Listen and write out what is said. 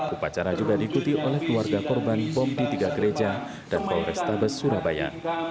upacara juga diikuti oleh keluarga korban bom di tiga gereja dan polrestabes surabaya